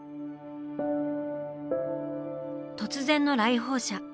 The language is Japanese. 突然の来訪者。